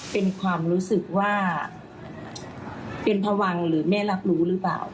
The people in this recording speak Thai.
เป็นความรู้สึกว่าเป็นพวังหรือแม่รับรู้หรือเปล่า